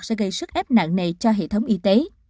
sẽ gây sức ép nạn nệ cho hệ thống y tế